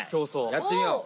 やってみよう。